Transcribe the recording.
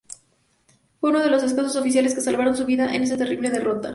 Fue uno de los escasos oficiales que salvaron su vida en esa terrible derrota.